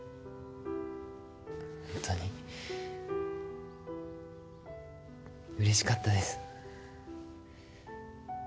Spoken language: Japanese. ホントにうれしかったです。